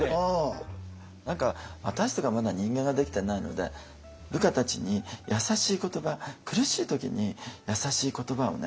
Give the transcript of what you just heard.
何か私とかまだ人間ができてないので部下たちに優しい言葉苦しい時に優しい言葉をね